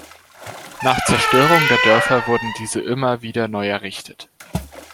Nach Zerstörung der Dörfer wurden diese immer wieder neu errichtet.